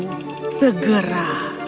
kau akan bertemu denganku segera